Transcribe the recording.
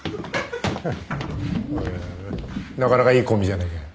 なかなかいいコンビじゃねえかよ。